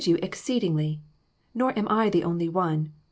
311 you exceedingly ; nor am I the only one.